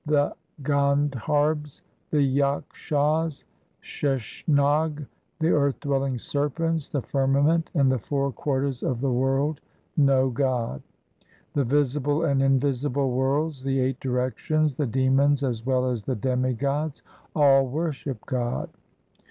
The Gandharbs, 2 the Yakshas, Sheshnag, the earth dwelling serpents, the firmament, and the four quarters of the world know God. The visible and invisible worlds, the eight directions, the demons as well as the demigods all worship God.